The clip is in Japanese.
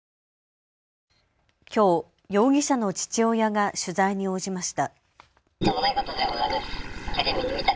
きょう、容疑者の父親が取材に応じました。